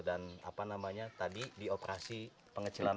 dan apa namanya tadi di operasi pengecilan lambung